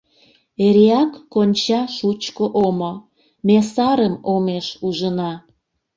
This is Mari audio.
Эреак конча шучко омо, Ме сарым омеш ужына.